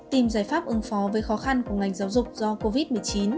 tìm giải pháp ứng phó với khó khăn của ngành giáo dục do covid một mươi chín